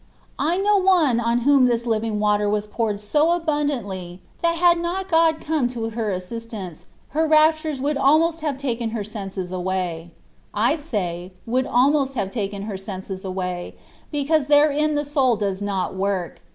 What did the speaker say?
I know one* on whom this " living water '^ was poured so abundantly, that had not God come to her assistance, her raptures would almost have taken her senses away; I say, ^^ would almost have taken her senses away,'' because therein the soul does not work.